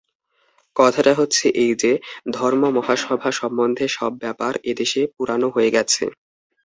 কথাটা হচ্ছে এই যে, ধর্মমহাসভা সম্বন্ধে সব ব্যাপার এদেশে পুরানো হয়ে গেছে।